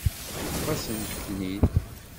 Yeṭṭef-asent-ten-id.